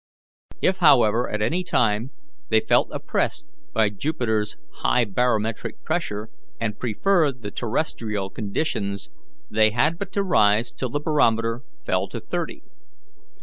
If, however, at any time they felt oppressed by Jupiter's high barometric pressure, and preferred the terrestrial conditions, they had but to rise till the barometer fell to thirty.